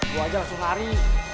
gue aja langsung lari